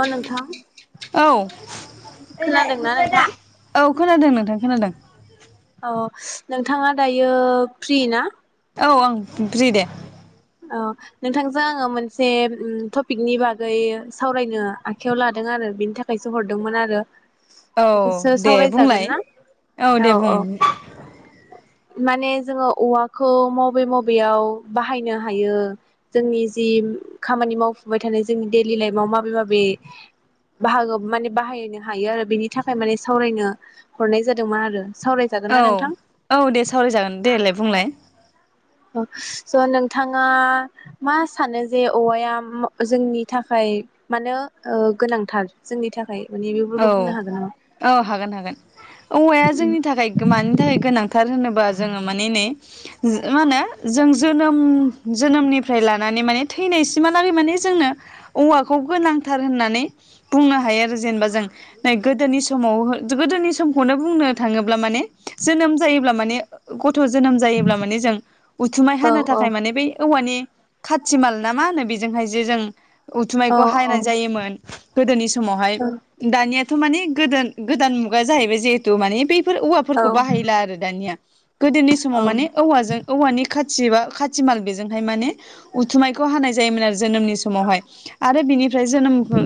अ नोंथां औ इलाय खोनादोंना नुबाय नोंथां दा औ। खोनादों नोंथां खोनादों। अ नोंथाङा दायो फ्रि ना? औ आं फ्रि दे। औ नोंथांजों आङो मोनसे ओम टपिकनि बागै सावरायनो आखायाव लादों आरो बिनि थाखायसो हरदोंमोन आरो। औ बेखौसो दे सावरायजागोन बुंलाय ना औ दे बुं। माने जोङो औवाखौ मबे मबेयाव बाहाय नो हायो जोंनि जि खामानि मावफुबाय थानाय जोंनि देलि लाइफआव माबे माबे बाहागो माने बाहायनो हायो आरो बेनि थाखाय माने सावरायनो हरनाय जादोंमोन आरो। सावरायजागोन ना नोंथां औ-औ दे सावराय जागोन देलाय बुंलाय। स नोंथाङा मा सानो जे औवाया जोंनि थाखाय मानो ओ गोनांथार जोंनि थाखाय माने बेफोरखौ बुंनो हागोन नामा? औ-औ हागोन हागोन औवाया जोंनि थाखाय मानि थाखाय गोनांथार होनोबा जोङो माने नै माहोनो जों जोनोम जोनोमनिफ्राय लानानै माने थैनायसिमहा लागै माने जोंनो औवाखौ गोनांथार होननानै बुंनो हायो आरो जेनबा जों नै गोदोनि समाव जो गोदोनि समखौनो बुंनो थाङोब्ला माने जोनोम जायोब्ला माने ग थ' जोनोम जायोब्ला माने जों उथुमाय औ हानो औ थाखाय माने बै औवानि खाथि माल ना मा होनो बेजोंहाय जे जों औ उथुमायखौ हायनाय जायोमोन गोदोनि समावहाय। औ दानियाथ' माने गोदोन-गोदान मुगा जाहैबाय जिहेथु माने बे फोर औ औवाफोरखौ बाहायला आरो दानिया गोदोनि समाव औ माने औवाजों औवानि खा जिबा खाथि माल बेजोंहाय माने उथुमायखौ हानाय जायोमोन आरो जोनोमनि समावहाय आरो बिनिफ्राय जोनोम हो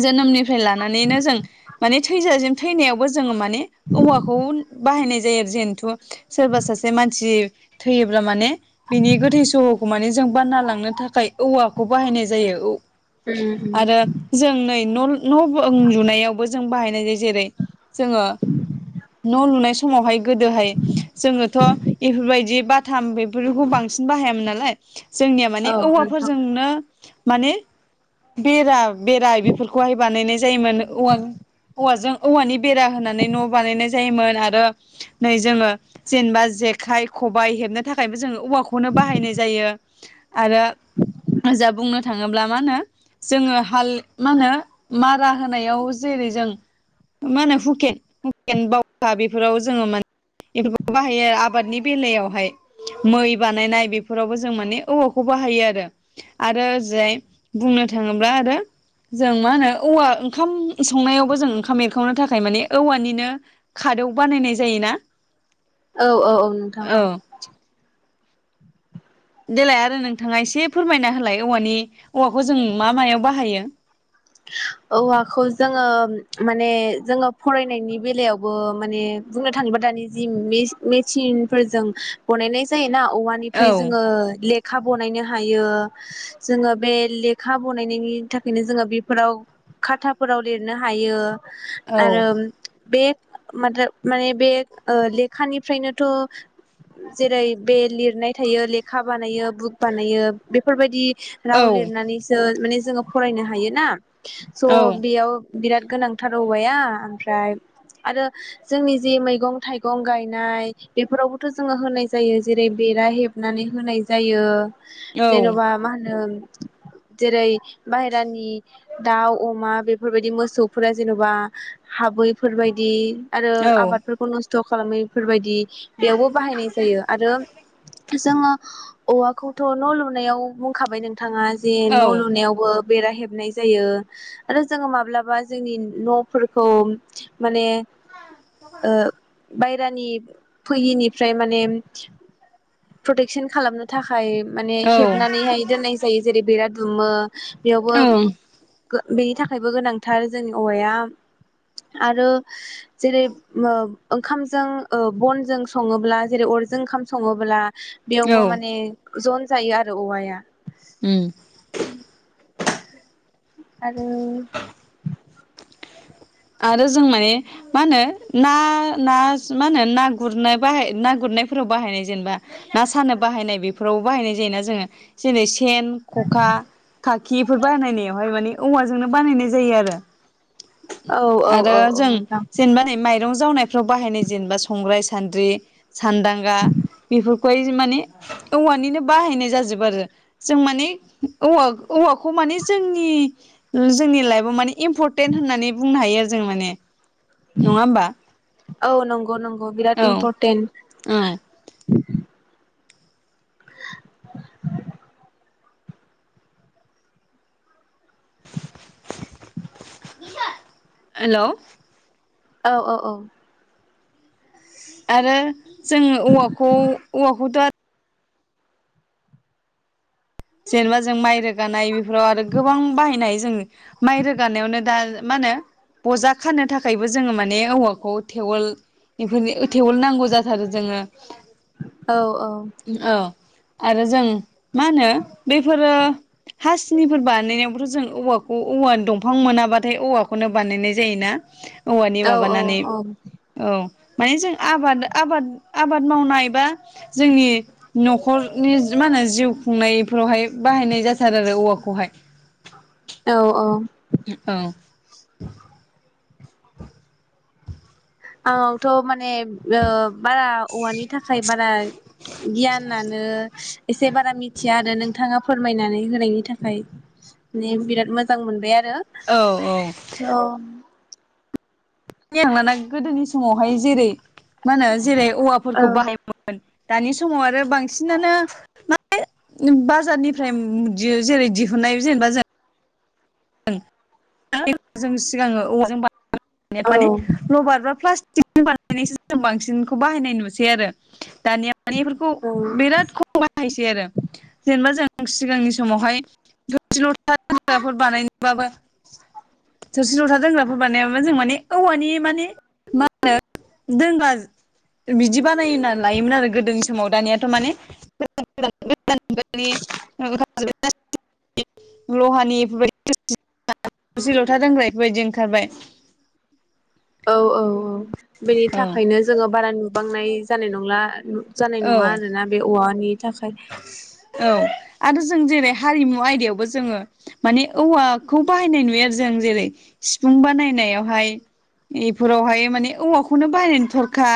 जोनोमनि नानैनो जों थैजाजिम थैनायाव- बो जोङो माने औवाखौ बाहायनाय जायो आरो जेनथु सोरबा सासे मानसि थैयोब्ला माने बिनि गोथै सहखौ माने जों बानना लांनो थाखाय औवा- खौ बाहायनाय जायो औ- उम उम आरो जों नै न'- खौबो लुनायावबो जों बाहायनाय जायो जेरै जोङो न' लुनाय समावहाय गोदोहाय जोङोथ' इफोरबायदि बाथाम बेफोरखौ बांसिन बाहायामोन नालाय जोंनिया माने औ नोंथां औवाफोरजोंनो माने बेरा बेरा बेफोरखौहाय बानायनाय जायोमोन औवा औवाजों औवानि बेरा होनानै न' बानायनाय जायोमोन आरो नै जोङो जेनेबा जेखाइ खबाइ हेबनो थाखायबो जोङो औवाखौनो बाहायनाय जायो आरो जा बुंनो थाङोब्ला मा होनो जोङो हाल मा होनो मारा होनायाव जेरै जों मा होनो हुकेन हुकेन बावखा बेफोराव जोङो माने बेफोरखौ बाहायो आरो आबादनि बेलायावहाय मै बानायनाय बेफोरावबो जों माने औवाखौ बाहायो आरो आरो ओजहाय बुंनो थाङोब्ला आरो जों मा होनो औवा ओंखाम संनायावबो जों ओंखाम एरखावनो थाखाय मानि औवानिनो खादौ बानायनाय जायो ना। औ औ औ नोंथां औ। देलाय आरो नोंथाङा एसे फोरमायना होलाय औवानि औवाखौ जों मा मायाव बाहायो? औवाखौ जोङो माने जोङो फरायनायनि बेलायावबो माने बुंनो थाङोब्ला दानि जि मेच मेचिनफोरजों बनायनाय जायोना औवानिफ्राय जोङो लेखा बनायनो हा यो जोङो बे लेखा बनायनायनि थाखायनो जोङो बि फोराव खाथाफोराव लिरनो हायो। औ आरो बे माद माने बे ओ लेखानिफ्रायनोथ' जेरै बे लिरनाय थायो लेखा बानायो बुक बानायो बेफोरबायदि औ राव लिरनानैसो माने जोङो फरायनो हायोना। स' औ बेयाव बिराद गोनांथार औवाया ओमफ्राय आरो जोंनि जि मैगं थाइगं गायनाय बेफोरावबोथ' जोङो होनाय जायो जेरै बेरा हेबनानै होनाय जायो। औ जेन'बा मा होनो? जेरै बाहेरानि दाउ अमा बेफोरबायदि मोसौफोरा जेन'बा हाबैफोरबायदि आरो आबादफोरखौ नस थ' खालामैफोरबायदि बेयावबो बाहायनाय जायो आरो जोङो औवाखौथ' न' लुनायाव बुंखाबाय नों थाङा जे औ न' लुनायावबो बेरा हेबनाय जायो आरो जोङो माब्लाबा जोंनि न'फोरखौ माने ओ। बायहेरानि फैयिनिफ्राय माने प्रटेकसन खालामनो थाखाय माने औ हेबनानैहाय दोननाय जायो जेरै बिराद दुमो। बेयावबो बेनि थाखायबो गोनांथार जोंनि औवाया आरो जेरै मो ओंखामजों ओ बनजों सङोब्ला जेरै अरजों ओंखाम सङोब्ला बेयावबो औ माने जन जायो आरो औवाया उम आरो आरो जों माने मा होनो ना ना मा होनो ना गुरनाय बाहाय ना गुरनायफोराव बाहायनाय जेनेबा ना सानो बाहायनाय बेफोरावबो बाहायनाय जायो ना जोङो [unintelligible] सेन, खखा, खा खिफोर बानायनायावहाय माने औवाजोंनो बानायनाय जायो आरो औ औ आरो औ औ जों नोंथां जेनेबा नै माइरं जावनायफ्राव बाहायनाय जेनेबा संग्राय सान्द्रि सानदांगा बेफोर खौहाय माने औवानिनो बाहायनाय जाजोबो आरो जों माने औवा औवाखौ माने जोंनि जोंनि लाइफआव माने इम्पर्टेन होननानै बुंनो हायो आरो जों माने नङा होमबा औ नंगौ नंगौ औ बिराद इमपर्टेन्ट औ [unintelligible] [unintelligible] हेल' औ औ औ आरो जों औवाखौ औवाखौथ' जेनेबा जों माइ रोगानाय बे फोराव आरो गोबां बाहायनाय जों माइ रोगानायावनो दा मा होनो बजा खानो थाखायबो जोङो माने औवाखौ थेवोल बेफोर थेवल नांगौ जाथारो जोङो। औ औ औ आरो जों मा होनो फोरो हा सिनिफोर बानायनायावबोथ' जों औवाखौ औव दंफां मोनाबाथाय औवाखौनो बानायनाय जायोना औवानि औ औ माबानानै औ औ माने जों आबाद आबाद आबाद मावनाय बा जोंनि न'खरनि मा होनो जिउ खुंनाय फोरावहाय बाहायनाय जाथारो आरो औवाखौहाय औ औ औ औ थ' माने ओ बारा औवानि थाखाय बारा गियानानो एसे बारा मिथिया आरो नोंथाङा फोर फोरमायनानै होनायनि थाखाय माने बिराद मोजां मोनबाय आरो। औ औ नो औ आं लाना गोदोनि समावहाय जेरै मा होनो जेरै औ औवाफोरखौ बाहायोमोन दानि समाव आरो बांसिनानो माने बाजारनिफ्राय जेरै दिहुननाय जेनेबा जों जों सिगाङो औवाजों बा माने लभार बा प्लास्टि [unintelligible] बानायनायसो जों बांसिनखौ बाहायनाय नुसै आरो। दानिया माने बेफोरखौ औ बिराद खम बाहायसै आरो जेनेबा जों सिगांनि समावहाय थोरसि लथाफोर बानाय [unintelligible] थोरसि लथा दोंग्राफोर बानायाबो जों माने औवानि माने मा होनो दोनग्रा बिदि बानाय होनना लायोमोन आरो गोदोनि समाव दानियाथ' माने लहानि बेफोरबायदि [unintelligible] सि लथा दोनग्रा बेफोरबायदि ओंखारबाय औ औ औ बेनि थाखायनो जोङो बारा नुबांनाय जानाय नंला जानाय नङा औ आरोना बे औवानि थाखाय औ आरो जों जेरै हारिमु आयदायावबो जोङो माने औवाखौ बाहायनाय नुयो आरो जों जेरै सिफुं बानायनायावहाय इफोरावहाय माने औवाखौनो बाहायनाय थरखा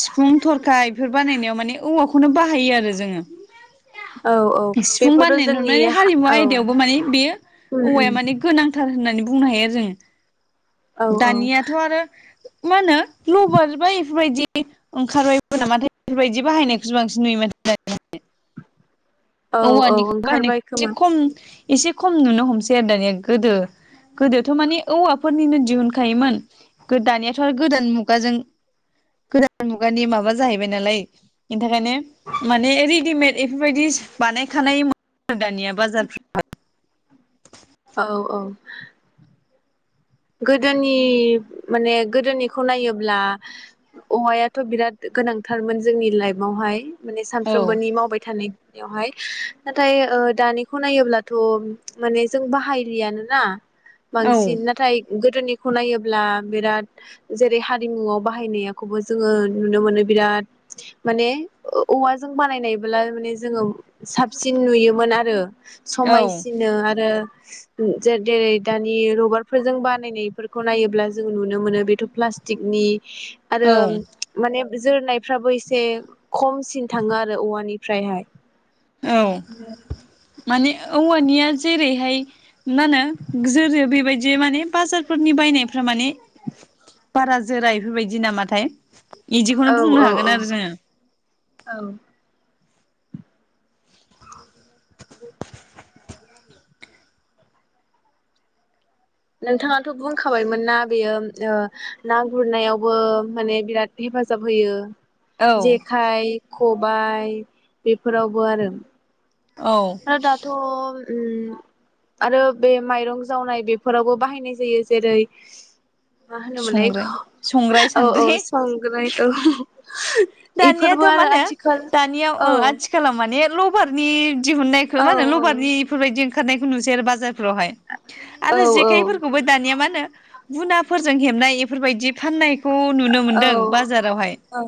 सिफुं थरखा इफोर बानायनायाव माने औवाखौनो बाहायो आरो जोङो। औ औ सिफुं बेफोरथ' बानायनाय जोंनि ननानै हा हारिमु औ उम आयदायावबो माने बेयो औवाया उम माने गोनांथार होननानै बुंनो हायो आरो जोङो। औ औ दानियाथ' आरो मा होनो लबार बा इफोरबायदि ओंखारबायबो नामाथाय इफोरबायदि बाहायनायखौसो बांसिन नुयो माथो दानियालाय। औ औ औवानिखौ ओंखारबाय बाहायनायखौ इसे खोमा खम एसे खम नुनो हमसै आरो दानिया गोदो, गोदोथ' माने औवाफोरनिनो दिहुनखायोमोन दानियाथ' आरो गोदान मुगाजों गोदान मुगानि माबा जाहैबाय नालाय इनि थाखायनो माने रेडिमेड इफोरबायदि बानायखानाय मोनो आरो दानिया बाजारफ्र औ औ गोदोनि माने गोदोनिखौ नायोब्ला औवायाथ' बिराद गोनांथारमोन जोंनि लाइफआवहाय। माने औ सानफ्रोमबोनि मावबाय थानाय बेवहाय नाथाय ओ दानिखौ नायोब्लाथ' माने जों बाहायलियानोना? औ बांसिन नाथाय गोदोनिखौ नायोब्ला बिराद जेरै हारिमुआव बाहायनायखौबो जोङो नुनो मोनो बिराद माने ओ औवाजों बानायनाय माने जोङो साबसिन नुयोमोन आरो। औ समायसिनो आरो जेरै दानि रबारफोरजों बा बानायनायफोरखौ नायोब्ला जों नुनो मोनो बेथ' प्लास्टिकनि आरो औ माने जोरनायफ्राबो एसे खमसिन थाङो आरो औवानिफ्रायहाय औ माने औवानिया जेरैहाय मा होनो जोरो बेबायदि माने बाजारफोरनि बायनायफ्रा माने बारा जोरा इफोरबायदि नामाथाय? इदिखौनो औ बुंनो औ औ हागोन आरो जोङो। औ नोंथाङाथ' बुंखाबायमोन ना बेयो ओ ना गुरनायावबो माने बिराद हेफाजाब होयो। औ जेखाय खुब बाय बेफोरावबो आरो। औ आरो दाथ' उम आरो बे माइरं जावनाय बेफोरावबो बाहायनाय जायो। जेरै मा होनोमोनलाय संग्राय संग्राय औ औ सान्द्रि संग्राय औ। इफोरबो दानियाथ' मा आरो होनो आथिखाल दानिया अ औ आथिखालाव माने लबारनि दिहुननायखौ औ मा होनो औ लबारनि इफोरबायदि ओंखारनायखौ नुसै आरो बाजार फ्रावहाय। औ आरो जेखायफोरखौबो दानिया मा होनो गुनाफोरजों हेबनाय एफोरबायदि फाननाय बेखौ नुनो मोनदों बाजारावहाय। औ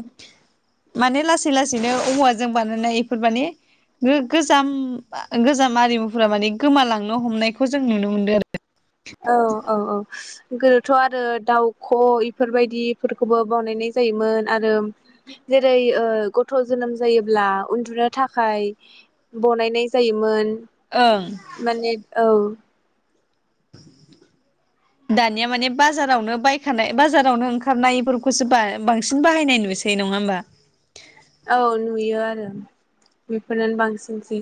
माने लासै लासैनो औवाजों बानायनाय इफोर माने गो-गोजाम गोजाम आरिमुफोरा माने गोमालांनो हमनायखौ जों नुनो मोनदों आरो। औ औ औ। गोदोथ' आरो दाउख' इफोरबायदि इफोरखौबो बनायनाय जायोमोन आरो जेरै ओ गथ' जोनोम जायोब्ला उन्दुनो थाखाय बनायनाय जायोमोन। ओं माने औ। दानिया माने बाजारावनो बायखानाय बाजारावनो ओंखारनाय इफोरखौसो बांसिन बाहायनाय नुसै नङा होमबा? औ नुयो आरो बेफोरनानो बांसिनसै।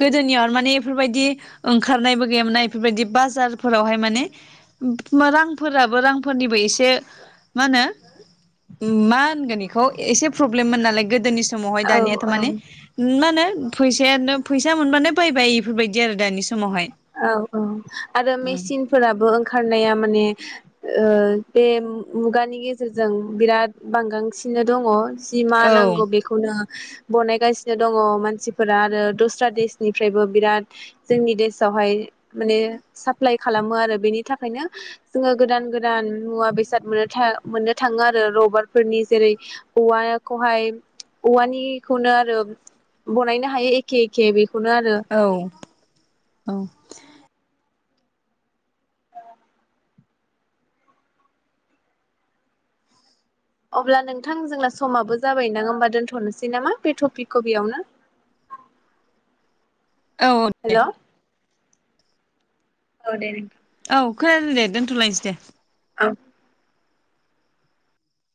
गोदोनियाव माने इफोरबायदि ओंखारनायबो गैयामोना इफोरबायदि बाजारफोरावहाय माने रांफोराबो रांफोरनिबो एसे मा होनो मा होनगोन इखौ एसे प्रब्लेममोन नालाय गोदोनि समावहाय औ दानियाथ' माने मा होनो फैसायानो फैसा मोनबानो बायबाय इफोरबायदि आरो दानि समावहाय औ औ आरो मेचिनफोराबो ओंखारनाया माने ओ बे मुगानि गेजेरजों बिराद बांगांसिनो दङ'। जि मा औ नांगौ बेखौनो बनायगासिनो दङ' मानसिफोरा आरो दस्रा देसनिफ्रायबो बिराद जोंनि देस आवहाय माने साप्लाय खालामो आरो बेनि थाखायनो जोङो गोदान गोदान मुवा बेसाद मोननो था मोननो थाङो आरो रबारफोरनि। जेरै औवाखौहाय औवानिखौनो आरो बनायनो हायो एखे एखे बे खौनो आरो औ औ। अब्ला नोंथां जोंना समाबो जाबायदां होमबा दोन्थ'नोसै नामा बे टपिकखौ बेयावनो? औ दे। हेल' औ दे नों औ खोनादो दे दोन्थ'लायनोसै दे। औ।